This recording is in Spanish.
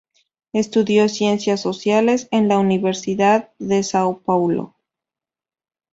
Estudió Ciencias Sociales en la Universidad de São Paulo.